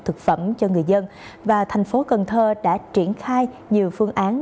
thực phẩm cho người dân và thành phố cần thơ đã triển khai nhiều phương án